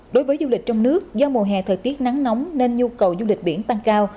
đối với du lịch trong nước do mùa hè thời tiết nắng nóng nên nhu cầu du lịch biển tăng cao